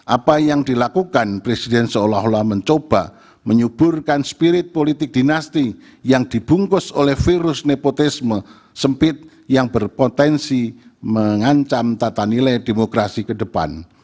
apa yang dilakukan presiden seolah olah mencoba menyuburkan spirit politik dinasti yang dibungkus oleh virus nepotisme sempit yang berpotensi mengancam tata nilai demokrasi ke depan